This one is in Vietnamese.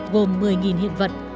gồm một mươi hiện vật